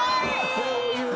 こういう。